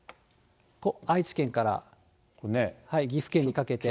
愛知県から岐阜県にかけて。